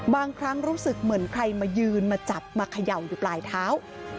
บางครั้งรู้สึกเหมือนใครมายืนมาจับมาเขย่าอยู่ปลายเท้า